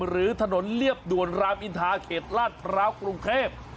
หรือถนนเรียบด่วนรามอินทาเขตลาดพร้าวกรุงเทพ